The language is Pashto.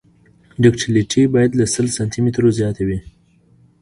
ډکټیلیټي باید له سل سانتي مترو زیاته وي